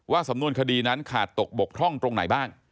สำนวนคดีนั้นขาดตกบกพร่องตรงไหนบ้าง